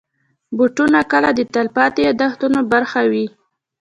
بوټونه کله د تلپاتې یادونو برخه وي.